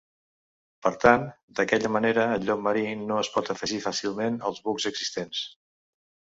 Per tant, d'aquella manera el llop marí no es pot afegir fàcilment als bucs existents.